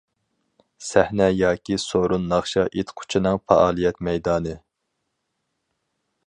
سەھنە ياكى سورۇن ناخشا ئېيتقۇچىنىڭ پائالىيەت مەيدانى.